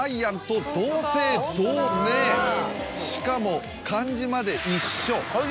しかも漢字まで一緒。